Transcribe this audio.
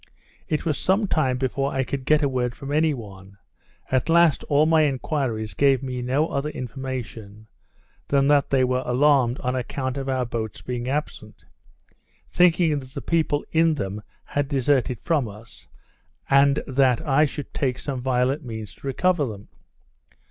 It was some time before I could get a word from any one; at last, all my enquiries gave me no other information, than that they were alarmed on account of our boats being absent, thinking that the people in them had deserted from us, and that I should take some violent means to recover them.